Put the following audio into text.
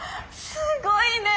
すごいね！